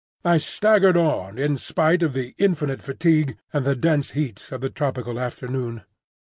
I staggered on in spite of infinite fatigue and the dense heat of the tropical afternoon.